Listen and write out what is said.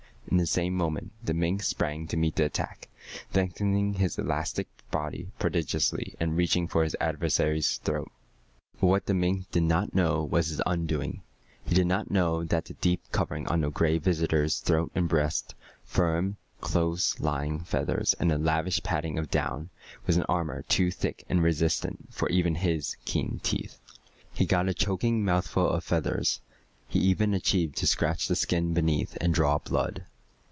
In the same moment the mink sprang to meet the attack, lengthening out his elastic body prodigiously and reaching for his adversary's throat. But what the mink did not know was his undoing. He did not know that the deep covering on the Gray Visitor's throat and breast firm, close lying feathers and a lavish padding of down was an armor too thick and resistant for even his keen teeth. He got a choking mouthful of feathers. He even achieved to scratch the skin beneath and draw blood.